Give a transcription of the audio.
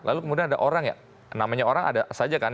lalu kemudian ada orang ya namanya orang ada saja kan